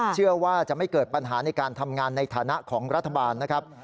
เชื่อว่าจะไม่เกิดปัญหาในการทำงานในฐานะของรัฐบาลนะครับ